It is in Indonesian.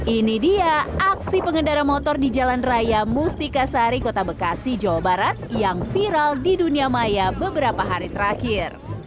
ini dia aksi pengendara motor di jalan raya mustika sari kota bekasi jawa barat yang viral di dunia maya beberapa hari terakhir